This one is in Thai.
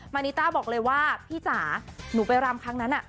นิต้าบอกเลยว่าพี่จ๋าหนูไปรำครั้งนั้น